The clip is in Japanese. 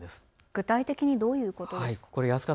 具体的にどういうことですか。